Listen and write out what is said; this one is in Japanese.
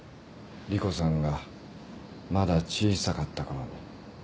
莉湖さんがまだ小さかったころに。